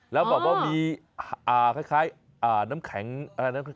แล้วบอกว่ามีคล้ายน้ำแข็งแห้ง